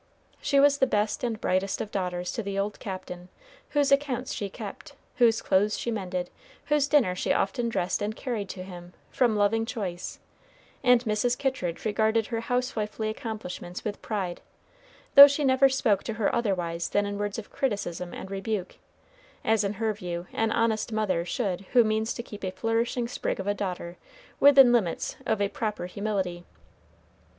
She was the best and brightest of daughters to the old Captain, whose accounts she kept, whose clothes she mended, whose dinner she often dressed and carried to him, from loving choice; and Mrs. Kittridge regarded her housewifely accomplishments with pride, though she never spoke to her otherwise than in words of criticism and rebuke, as in her view an honest mother should who means to keep a flourishing sprig of a daughter within limits of a proper humility.